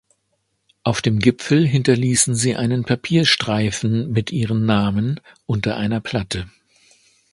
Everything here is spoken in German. Auf dem Gipfel hinterließen sie einen Papierstreifen mit ihren Namen unter einer Platte.